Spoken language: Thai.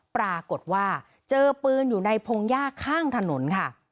ปรากฏว่าเจอปืนอยู่ในพงหญ้าข้างถนนค่ะ